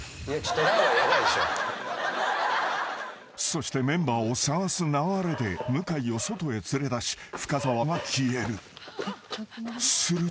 ［そしてメンバーを捜す流れで向井を外へ連れ出し深澤が消える。